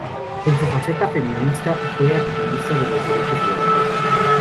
En su faceta feminista, fue activista de los derechos de la mujer.